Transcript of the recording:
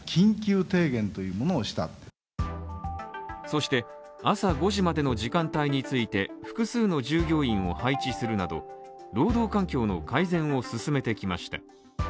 そして朝５時までの時間帯について複数の従業員を配置するなど労働環境の改善を進めてきました。